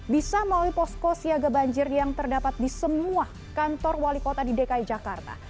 bisa melalui posko siaga banjir yang terdapat di semua kantor wali kota di dki jakarta